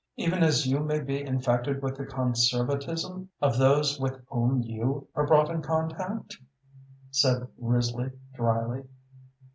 "Even as you may be infected with the conservatism of those with whom you are brought in contact," said Risley, dryly.